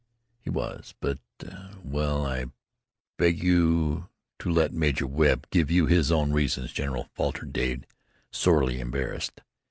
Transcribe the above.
"He was, but well I beg you to let Major Webb give you his own reasons, general," faltered Dade, sorely embarrassed.